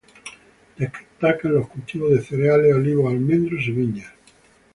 Destacan los cultivos de cereales, olivos, almendros y viñas.